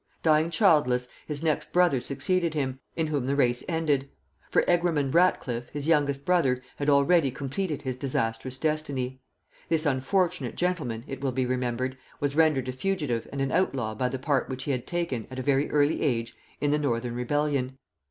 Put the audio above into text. Dying childless, his next brother succeeded him, in whom the race ended; for Egremond Ratcliffe, his youngest brother, had already completed his disastrous destiny. This unfortunate gentleman, it will be remembered, was rendered a fugitive and an outlaw by the part which he had taken, at a very early age, in the Northern rebellion.